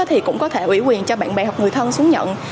thì cũng có thể ủy quyền cho bạn bè hoặc người thân xuống nhận